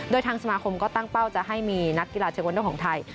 โดยทางสมาคมก็ตั้งเป้าจะให้มีนักกีฬาเทควันโดของไทย